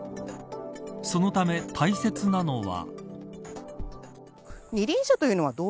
そのため大切なのは。